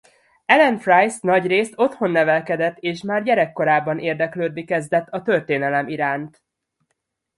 Ellen Fries nagy részt otthon nevelkedett és már gyerekkorában érdeklődni kezdett a történelem iránt.